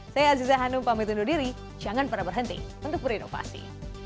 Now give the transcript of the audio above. saya aziza hanum pamit undur diri jangan pernah berhenti untuk berinovasi